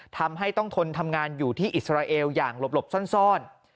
ทำให้ต้องทนทำงานอยู่ที่อิสราเอลอย่างหลบซ่อน